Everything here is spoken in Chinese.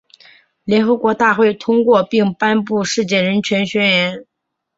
联合国大会通过并颁布《世界人权宣言》。